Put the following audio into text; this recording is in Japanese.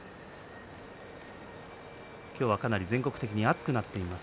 今日はかなり全国的に暑くなっています。